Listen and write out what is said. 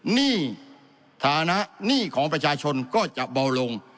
หนี้ฐานะหนี้ของประชาชนก็จะเบาลง